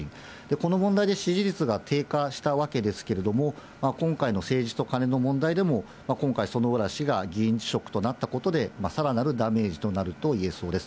この問題で支持率が低下したわけですけれども、今回の政治とカネの問題でも、今回、薗浦氏が議員辞職となったことで、さらなるダメージとなるといえそうです。